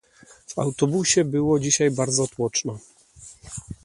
W autobusie było dzisiaj bardzo tłoczno.